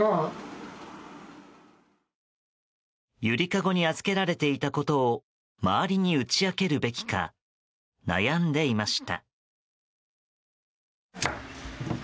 ゆりかごに預けられていたことを周りに打ち明けるべきか悩んでいました。